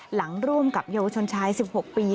ร่วมกับเยาวชนชาย๑๖ปี